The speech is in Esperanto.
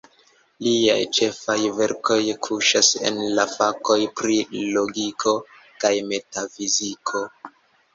Liaj ĉefaj verkoj kuŝas en la fakoj pri logiko kaj metafiziko.